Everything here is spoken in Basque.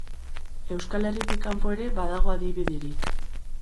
Euskal Herritik kanpo ere, badago adibiderik.